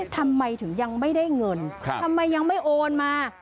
ทำไมถึงยังไม่ได้เงินทำไมยังไม่โอนมา